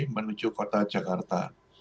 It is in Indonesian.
menuju kota jakarta